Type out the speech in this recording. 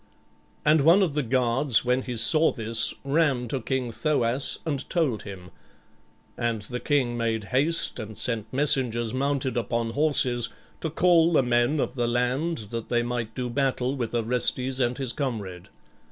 And one of the guards when he saw this ran to King Thoas and told him, and the king made haste and sent messengers mounted upon horses, to call the men of the land that they might do battle with Orestes and his comrade.